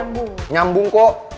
atau nyambung kok